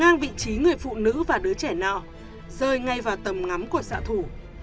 ngang vị trí người phụ nữ và đứa trẻ nọ rơi ngay vào tầm ngắm của xã thủ